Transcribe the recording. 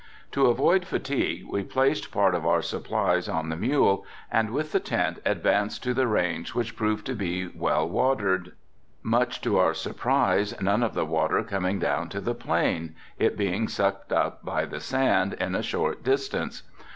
To avoid fatigue we placed part of our supplies on the mule and with the tent advanced to the range which proved to be well watered, much to our surprise none of the water coming down to the plain, it being sucked up by the sand in a short distance.